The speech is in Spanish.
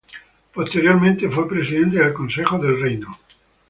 Posteriormente fue presidente del Consejo del Reino.